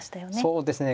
そうですね。